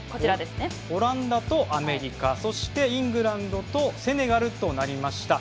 オランダとアメリカそしてイングランドとセネガルとなりました。